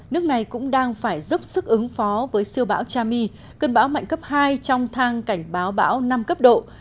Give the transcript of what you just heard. nước này cũng đang phải dốc sức ứng phó với siêu bão chami cơn bão mạnh cấp hai trong thang cảnh báo bão năm cấp độ